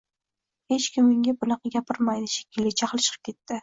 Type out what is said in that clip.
Hech kim unga bunaqa gapirmaydi, shekilli, jahli chiqib ketdi.